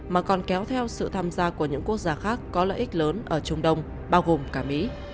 mà còn kéo theo sự tham gia của những quốc gia khác có lợi ích lớn ở trung đông bao gồm cả mỹ